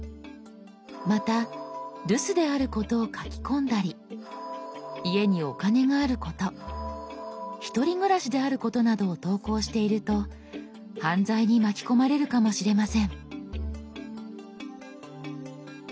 また留守であることを書き込んだり家にお金があること１人暮らしであることなどを投稿していると犯罪に巻き込まれるかもしれません。